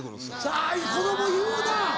あぁ子供言うな。